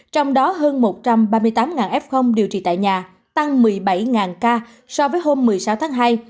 trong đó hơn một trăm ba mươi tám f điều trị tại nhà tăng một mươi bảy ca so với hôm một mươi sáu tháng hai